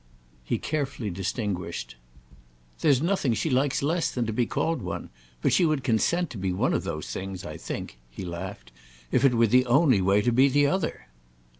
He carefully distinguished. "There's nothing she likes less than to be called one, but she would consent to be one of those things, I think," he laughed, "if it were the only way to be the other."